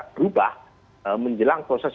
berubah menjelang proses